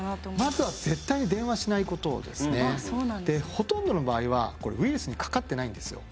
ほとんどの場合はウイルスにかかってないんですよ。